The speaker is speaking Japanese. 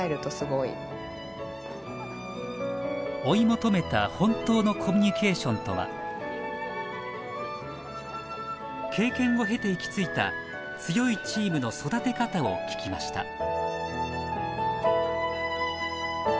追い求めた本当のコミュニケーションとは経験を経て行き着いた強いチームの育て方を聞きました